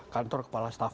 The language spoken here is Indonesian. kantor kepala staff